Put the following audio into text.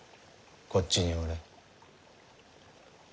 こっちにおれ。